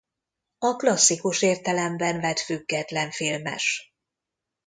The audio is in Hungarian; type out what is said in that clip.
A klasszikus értelemben vett független filmes.